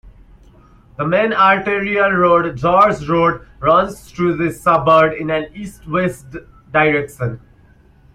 The main arterial road, Gorge Road, runs through this suburb in an east-west direction.